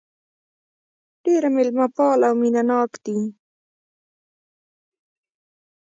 ډېر مېلمه پال او مينه ناک دي.